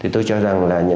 tôi cho rằng là